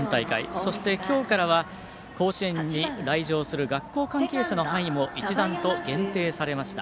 そして、今日からは甲子園に来場する学校関係者の範囲も一段と限定されました。